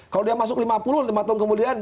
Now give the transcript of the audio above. kalau dia masuk lima puluh lima tahun kemudian